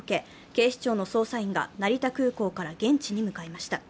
警視庁の捜査員が成田空港から現地に向かいました。